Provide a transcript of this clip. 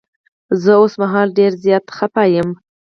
زه اوس مهال ډير زيات خفه یم.